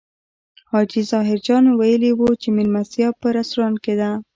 حاجي ظاهر جان ویلي و چې مېلمستیا په رستورانت کې ده.